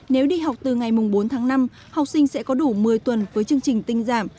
nếu đi học từ ngày bốn tháng năm học sinh sẽ có đủ một mươi tuần với chương trình tinh giảm